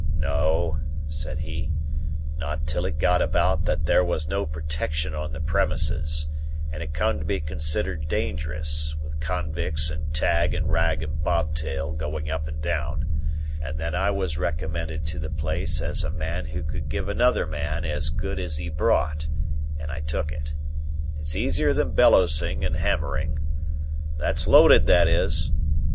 "No," said he; "not till it got about that there was no protection on the premises, and it come to be considered dangerous, with convicts and Tag and Rag and Bobtail going up and down. And then I was recommended to the place as a man who could give another man as good as he brought, and I took it. It's easier than bellowsing and hammering.—That's loaded, that is."